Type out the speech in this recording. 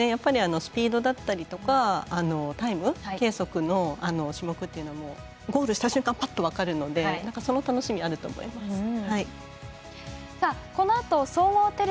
スピードだったりとかタイム計測の種目っていうのはゴールした瞬間ぱっと分かるのでその楽しみあると思います。